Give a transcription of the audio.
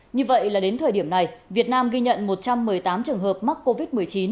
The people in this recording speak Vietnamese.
như vậy là đến thời điểm này việt nam ghi nhận một trăm một mươi tám trường hợp mắc covid một mươi chín